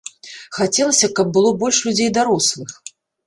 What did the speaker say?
Хацелася, каб было больш людзей дарослых.